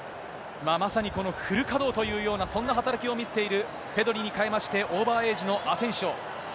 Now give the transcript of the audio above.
まさにこのフル稼働という、そんな働きを見せているペドリに代えまして、オーバーエイジのアセンシオ。